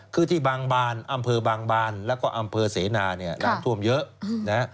คือที่บางบานอำเภอบางบานแล้วก็อำเภอเสนาเนี่ยน้ำท่วมเยอะนะฮะ